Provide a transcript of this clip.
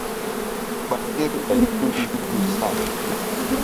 Ɓa kerɓay tul ndukru záh.